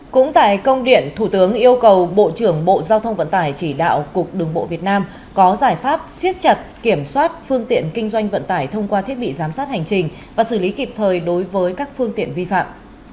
cũng tại công điện thủ tướng yêu cầu bộ trưởng bộ giao thông vận tải chỉ đạo cục đường bộ việt nam có giải pháp siết chặt kiểm soát phương tiện kinh doanh vận tải thông qua thiết bị giám sát hành trình và xử lý kịp thời đối với các phương tiện vi phạm